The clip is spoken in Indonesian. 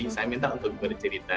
saya minta untuk bercerita